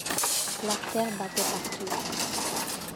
L’artère battait partout.